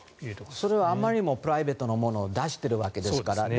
それはあまりにもプライベートなものを出しているわけですから。